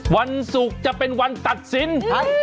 วันศุกร์จะเป็นวันตัดสิน